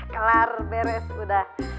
kelar beres udah